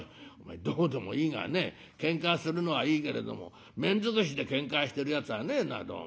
どうでもいいがねけんかするのはいいけれども面尽くしでけんかしてるやつはねえなどうも。